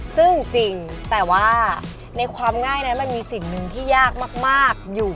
ซึ่งจริงแต่ว่าในความง่ายนั้นมันมีสิ่งหนึ่งที่ยากมากอยู่